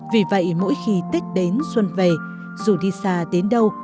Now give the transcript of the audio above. vì vậy mỗi khi tết đến xuân về dù đi xa đến đâu